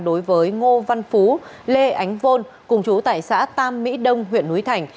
đối với ngô văn phú lê ánh vôn cùng chú tại xã tam mỹ đông huyện núi thành